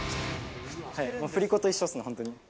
振り子と一緒ですね、本当に。